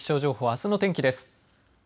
あすの天気です。